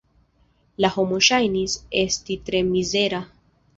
La homo ŝajnis esti tre mizera.